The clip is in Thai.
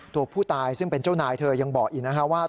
ตัวผู้ตายซึ่งเป็นเจ้านายเธอยังบอกอีกนะฮะว่า